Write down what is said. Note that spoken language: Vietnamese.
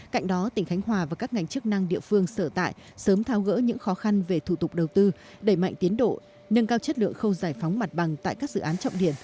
cạnh đó tỉnh khánh hòa và các ngành chức năng địa phương sở tại sớm thao gỡ những khó khăn về thủ tục đầu tư đẩy mạnh tiến độ nâng cao chất lượng khâu giải phóng mặt bằng tại các dự án trọng điển